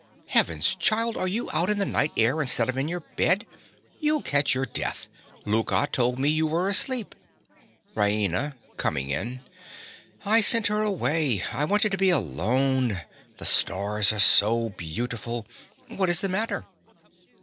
_) Heavens! child, are you out in the night air instead of in your bed? You'll catch your death. Louka told me you were asleep. RAINA. (coming in). I sent her away. I wanted to be alone. The stars are so beautiful! What is the matter?